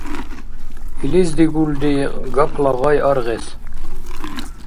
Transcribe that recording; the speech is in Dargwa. Илис дигулри гапла гъай аргъес.